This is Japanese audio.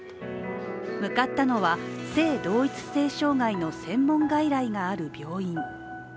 向かったのは性同一性障害の専門外来がある病院。